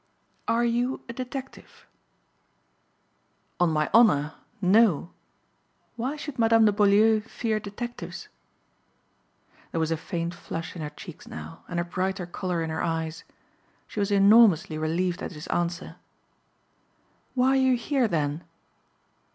"Are you a detective?" "On my honor, no. Why should Madame de Beaulieu fear detectives?" There was a faint flush in her cheeks now and a brighter color in her eyes. She was enormously relieved at his answer. "Why are you here, then?"